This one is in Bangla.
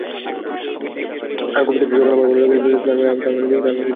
আর কবিতাটি যখন আমার ভালো লাগছে, তারমানে আপনাদের ও ভালো লাগবে।